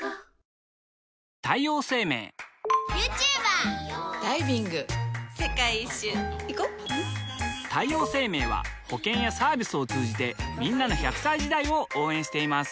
女性 ２） 世界一周いこ太陽生命は保険やサービスを通じてんなの１００歳時代を応援しています